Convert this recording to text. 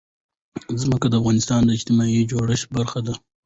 ځمکه د افغانستان د اجتماعي جوړښت برخه ده.